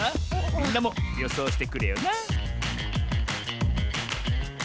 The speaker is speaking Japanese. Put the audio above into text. みんなもよそうしてくれよな